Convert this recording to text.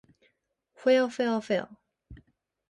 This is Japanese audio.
ふぇあふぇわふぇわ